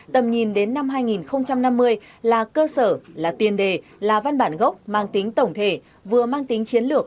tầm nhìn đến năm hai nghìn năm mươi là cơ sở là tiền đề là văn bản gốc mang tính tổng thể vừa mang tính chiến lược